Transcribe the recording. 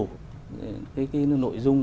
cái cái nội dung